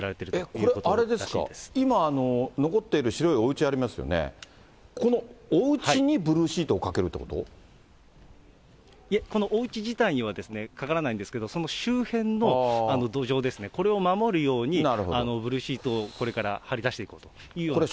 これ、あれですか、今残っている白いおうちありますよね、ここのおうちにブルーシーいえ、このおうち自体にはかからないんですけど、その周辺の土壌ですね、これを守るように、ブルーシートをこれから張りだしていこうというような形です。